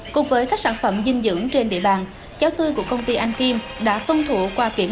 cùng với các sản phẩm dinh dưỡng trên địa bàn cháo tươi của công ty anh kim đã tôn thủ qua kiểm tra